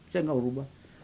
saya nggak mau ubah